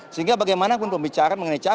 sehingga bagaimanapun pembicaraan mengenai cara